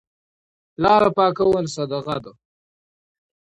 لاره پاکول صدقه ده.